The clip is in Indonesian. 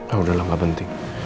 ah udahlah gak penting